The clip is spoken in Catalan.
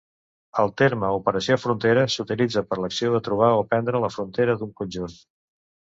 El terme operació frontera s'utilitza per l'acció de trobar o prendre la frontera d'un conjunt.